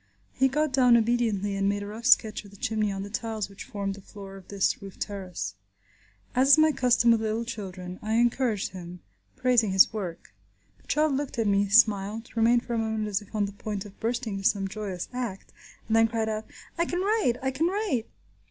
He got down obediently and made a rough sketch of the chimney on the tiles which formed the floor of this roof terrace. As is my custom with little children, I encouraged him, praising his work. The child looked at me, smiled, remained for a moment as if on the point of bursting into some joyous act, and then cried out, "I can write! I can write!"